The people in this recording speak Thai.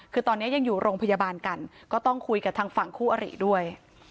คือตอนนี้ยังอยู่โรงพยาบาลกันก็ต้องคุยกับทางฝั่งคู่อริด้วย